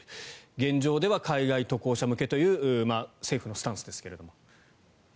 現状では海外渡航者向けという政府のスタンスですが。